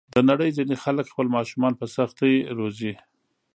د نړۍ ځینې خلک خپل ماشومان په سختۍ روزي.